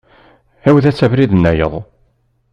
Ɛiwed-as abrid-nnayeḍ.